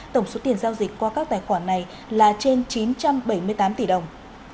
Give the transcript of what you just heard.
tổng số tiền giao dịch qua các tài khoản này là trên chín trăm bảy mươi tám tỷ đồng